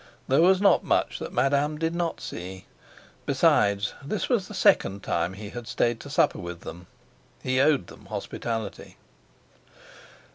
there was not much that Madame did not see. Besides, this was the second time he had stayed to supper with them; he owed them hospitality.